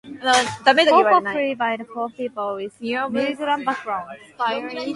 Call for free by and for people with migration background.